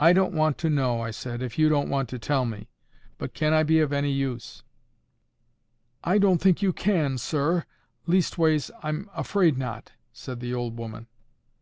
"I don't want to know," I said, "if you don't want to tell me. But can I be of any use?" "I don't think you can, sir,—leastways, I'm afraid not," said the old woman.